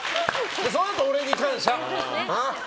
そのあと俺に感謝、な。